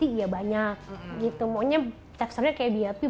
iya banyak gitu maunya teksturnya kayak bap